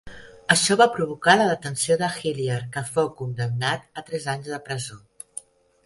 Això va provocar la detenció de Hilliard, que fou condemnat a tres anys de presó.